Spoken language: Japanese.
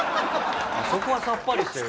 そこはさっぱりしてる。